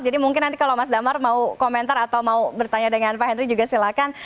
jadi mungkin nanti kalau mas damar mau komentar atau mau bertanya dengan pak hendry juga silakan